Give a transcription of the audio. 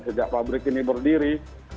sejak pabrik ini berdiri